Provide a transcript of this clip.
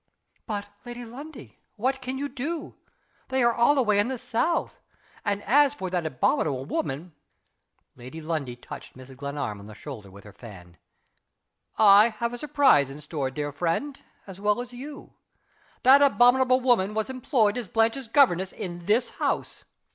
"But, Lady Lundie what can you do? They are all away in the south. And as for that abominable woman " Lady Lundie touched Mrs. Glenarm on the shoulder with her fan. "I have my surprise in store, dear friend, as well as you. That abominable woman was employed as Blanche's governess in this house.